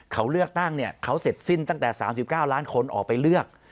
เขาเลือกตั้งเนี่ยเขาเสร็จสิ้นตั้งแต่๓๙ล้านคนออกไปเลือก